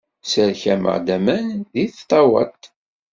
Sserkameɣ-d aman deg tṭawat.